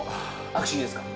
握手いいですか？